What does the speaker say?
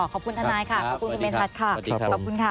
ขอบคุณท่านนายค่ะขอบคุณท่านเบนทัศน์ค่ะขอบคุณค่ะ